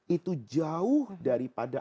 itu jauh daripada